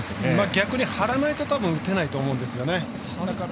逆に張らないと打てないと思うんですよね。